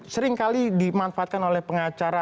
seringkali dimanfaatkan oleh pengacara